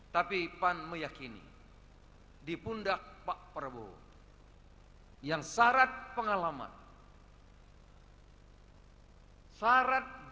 tapi pan meyakini di pundak pak prabowo yang syarat pengalaman syarat